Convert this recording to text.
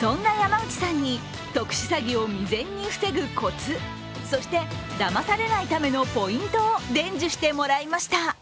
そんな山内さんに特殊詐欺を未然に防ぐコツ、そして、だまされないためのポイントを伝授してもらいました。